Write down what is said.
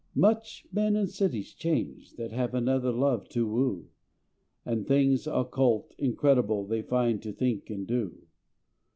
Much men and cities change that have Another love to woo; And things occult, incredible, They find to think and do.